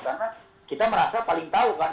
karena kita merasa paling tahu kan